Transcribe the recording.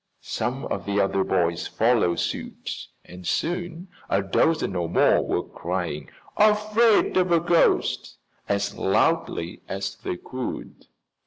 Some of the other boys followed suit and soon a dozen or more were crying, "Afraid of a ghost!" as loudly as they could.